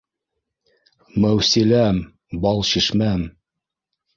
- Мәүсиләм, Балшишмәм